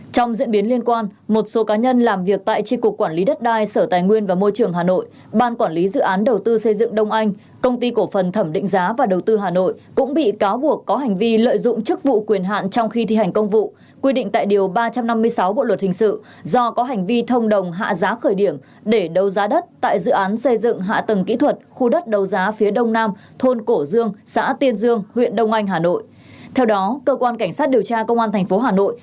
trong diễn biến liên quan một số cá nhân làm việc tại tri cục quản lý đất đai sở tài nguyên và môi trường hà nội ban quản lý dự án đầu tư xây dựng đông anh công ty cổ phần thẩm định giá và đầu tư hà nội cũng bị cáo buộc có hành vi lợi dụng chức vụ quyền hạn trong khi thi hành công vụ quy định tại điều ba trăm năm mươi sáu bộ luật hình sự do có hành vi thông đồng hạ giá khởi điểm để đầu giá đất tại dự án xây dựng hạ tầng kỹ thuật khu đất đầu giá phía đông nam thôn cổ dương xã tiên dương huyện đông anh hà nội